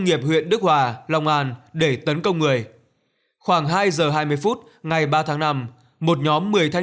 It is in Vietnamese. nghiệp huyện đức hòa long an để tấn công người khoảng hai giờ hai mươi phút ngày ba tháng năm một nhóm một mươi thanh